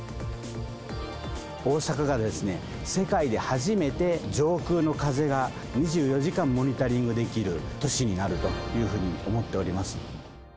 大阪が世界で初めて、上空の風が２４時間モニタリングできる都市になるというふうに思っております。